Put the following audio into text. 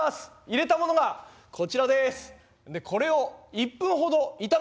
炒めたものがこちらです。